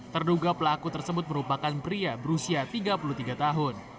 terduga pelaku tersebut merupakan pria berusia tiga puluh tiga tahun